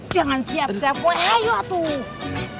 jangan siap siap ayo tuh